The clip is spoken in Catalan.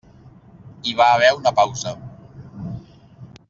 Hi va haver una pausa.